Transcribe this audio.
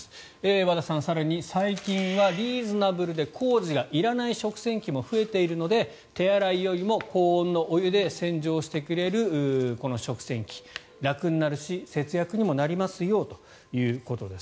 和田さん、更に最近はリーズナブルで工事がいらない食洗機も増えているので、手洗いよりも高温のお湯で洗浄してくれる食洗機楽になるし節約にもなりますよということです。